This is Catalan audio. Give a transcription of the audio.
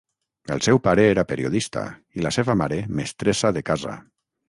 El seu pare era periodista i la seva mare, mestressa de casa.